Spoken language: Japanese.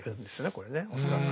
これね恐らく。